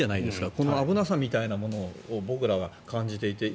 この危なさみたいなものを僕らが感じていて。